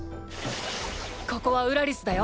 ここはウラリスだよ。